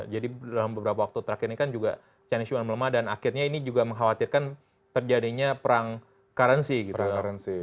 jadi dalam beberapa waktu terakhir ini kan juga chinese yuan melemah dan akhirnya ini juga mengkhawatirkan terjadinya perang currency gitu